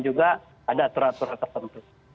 juga ada aturan aturan tertentu